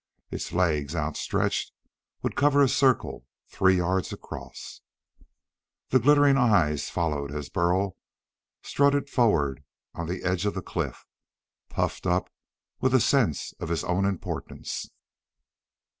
Its legs, outstretched, would cover a circle three yards across. The glittering eyes followed as Burl strutted forward on the edge of the cliff, puffed up with a sense of his own importance.